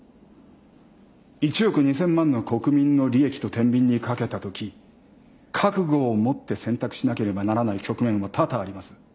１億２，０００万の国民の利益とてんびんにかけたとき覚悟を持って選択しなければならない局面は多々あります。